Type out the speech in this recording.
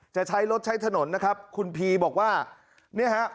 ใช้รถใช้ถนนนะครับคุณพีบอกว่าเนี่ยฮะ